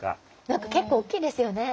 何か結構おっきいですよね。